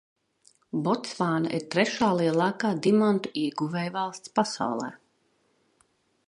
Botsvāna ir trešā lielākā dimantu ieguvējvalsts pasaulē.